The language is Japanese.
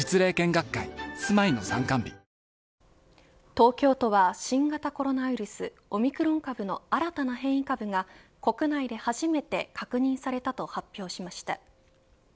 東京都は、新型コロナウイルスオミクロン株の新たな変異株が国内で初めて確認されたと発表しました。